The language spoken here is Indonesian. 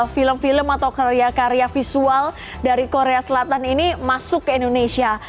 film film atau karya karya visual dari korea selatan ini masuk ke indonesia